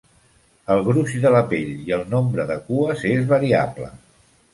El gruix de la pell i el nombre de cues és variable.